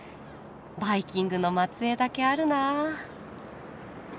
バイキングの末裔だけあるなあ。